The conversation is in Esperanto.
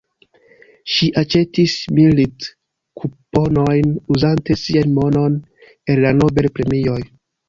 Ŝi aĉetis milit-kuponojn, uzante sian monon el la Nobel-premioj.